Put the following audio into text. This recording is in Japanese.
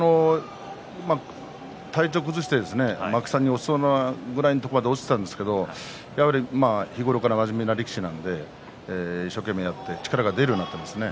体調を崩して、幕下に落ちそうなぐらいまで落ちたんですけど日頃から真面目な力士なので一生懸命やって力が出るようになったんですね。